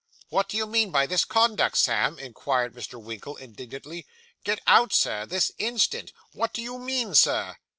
'What do you mean by this conduct, Sam?' inquired Mr. Winkle indignantly. 'Get out, sir, this instant. What do you mean, Sir?